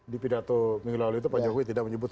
di pidato minggu lalu itu pak jokowi tidak menyebut